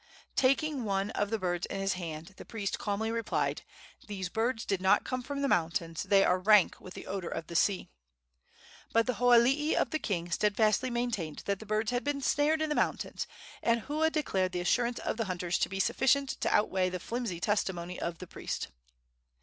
Taking one of the birds in his hand, the priest calmly replied: "These birds did not come from the mountains; they are rank with the odor of the sea." But the hoalii of the king steadfastly maintained that the birds had been snared in the mountains, and Hua declared the assurance of the hunters to be sufficient to outweigh the flimsy testimony of the priest.